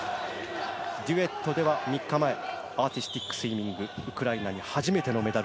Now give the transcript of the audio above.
デュエットでは３日前、アーティスティックスイミング、ウクライナに初めてのメダル、